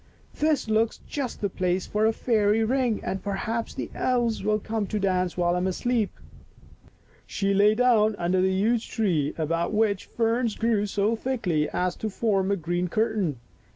This looks just the place for a fairy ring and perhaps the elves will come to dance while I am asleep." She lay down under the huge tree about which ferns grew so thickly as to form a green curtain.